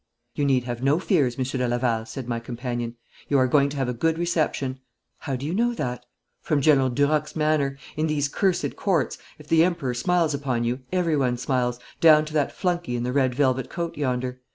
'You need have no fears, Monsieur de Laval,' said my companion. 'You are going to have a good reception.' 'How do you know that?' 'From General Duroc's manner. In these cursed Courts, if the Emperor smiles upon you everyone smiles, down to that flunkey in the red velvet coat yonder.